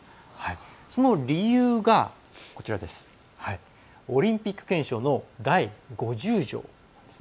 その理由がオリンピック憲章の第５０条です。